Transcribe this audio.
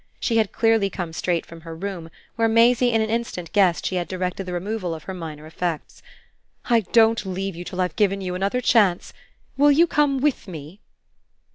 She had clearly come straight from her room, where Maisie in an instant guessed she had directed the removal of her minor effects. "I don't leave you till I've given you another chance. Will you come WITH me?"